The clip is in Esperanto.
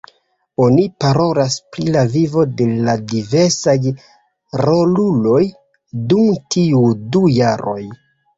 Oni parolas pri la vivo de la diversaj roluloj dum tiuj du jaroj.